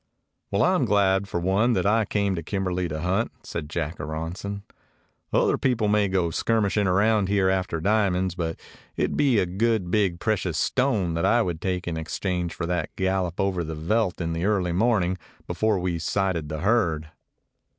"Well, I am glad for one that I came to Kimberley to hunt," said Jack Aronson. "Other people may go skirmishing around here after diamonds, but it would be a good, big precious stone that I would take in ex change for that gallop over the veldt in the early morning, before we sighted the herd."